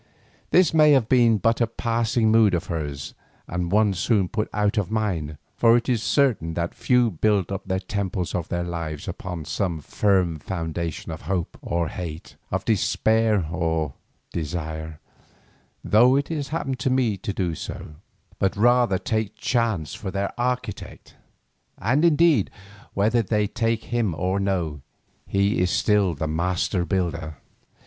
This may have been but a passing mood of hers and one soon put out of mind, for it is certain that few build up the temples of their lives upon some firm foundation of hope or hate, of desire or despair, though it has happened to me to do so, but rather take chance for their architect—and indeed whether they take him or no, he is still the master builder.